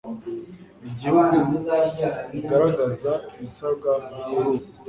igihugu igaragaza ibisabwa kuri buri